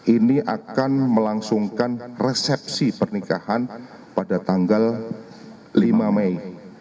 ini akan melangsungkan resepsi pernikahan pada tanggal lima mei dua ribu dua puluh empat